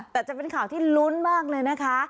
แต่จะเป็นข่าวที่ลุ้นมากเลยนะคะ